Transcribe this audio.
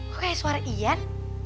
kok kayak suara ian